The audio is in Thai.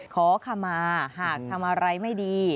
ขอขมาหากทำอะไรไม่ดี